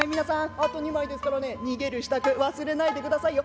あと２枚ですからね逃げる支度忘れないでくださいよ。